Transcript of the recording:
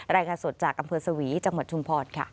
รายงานสดจากอำเภอสวีจังหวัดชุมพรค่ะ